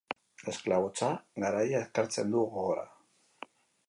Esklabotza garaia ekartzen du gogora.